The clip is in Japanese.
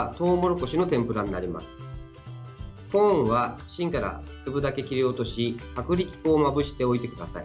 コーンは芯から粒だけ切り落とし薄力粉をまぶしておいてください。